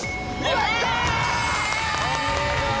やった！